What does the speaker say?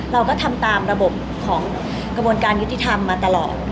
เราก็ทำตามระบบของกระบวนการยุติธรรมมาตลอด